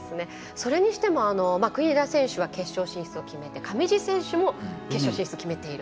それにしても国枝選手は決勝進出を決めて上地選手も決勝進出を決めている。